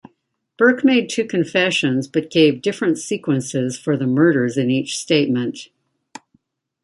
Burke made two confessions but gave different sequences for the murders in each statement.